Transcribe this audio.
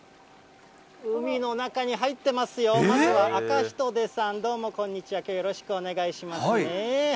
海の中に入ってますよ、アカヒトデさん、どうもこんにちは、きょうはよろしくお願いしますね。